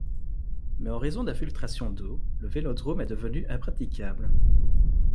Mais en raison d'infiltrations d'eau, le vélodrome est devenu impraticable.